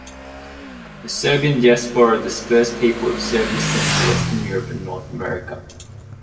A Serbian diaspora dispersed people of Serb descent to Western Europe and North America.